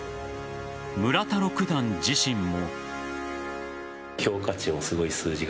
村田六段自身も。